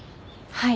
はい。